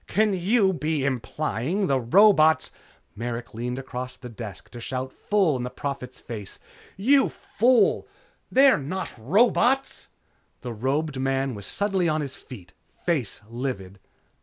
"Can you be implying that the robots " Merrick leaned across the desk to shout full in the Prophet's face: "You fool! They're not robots!" The robed man was suddenly on his feet, face livid.